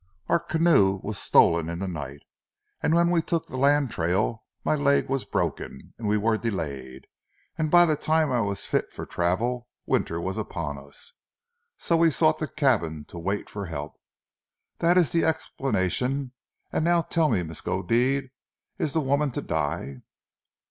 Our canoe was stolen in the night, and when we took the land trail my leg was broken and we were delayed, and by the time I was fit for travel, winter was upon us, so we sought the cabin to wait for help. That is the explanation, and now tell me, Miskodeed, is the woman to die?"